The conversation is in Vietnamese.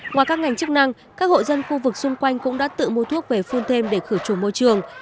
ngoài các ngành chức năng các hộ dân khu vực xung quanh cũng đã tự mua thuốc về phun thêm để khử trùng môi trường